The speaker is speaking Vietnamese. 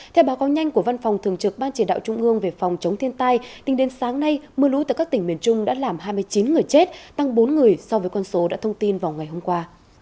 theo báo cáo nhanh của văn phòng thường trực ban chỉ đạo trung ương về phòng chống thiên tai tính đến sáng nay mưa lũ tại các tỉnh miền trung đã làm hai mươi chín người chết tăng bốn người so với con số đã thông tin vào ngày hôm qua